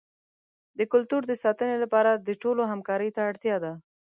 د کلتور د ساتنې لپاره د ټولو همکارۍ ته اړتیا ده.